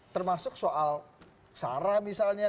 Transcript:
termasuk soal sarah misalnya